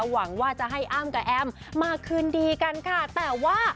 หวังว่าจะให้อ้ำกับแอมมาคืนดีกันค่ะแต่ว่า